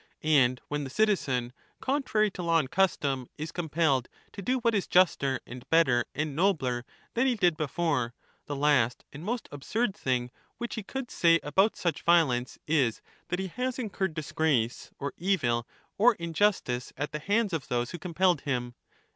And when the citizen, contrary to law and custom, is compelled to do what is juster and better and nobler than he did before, the last and most absurd thing which he could say about such violence is that he has incurred disgrace or evil or injustice at the hands of those who compelled him.